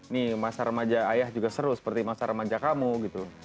nih masa remaja ayah juga seru seperti masa remaja kamu gitu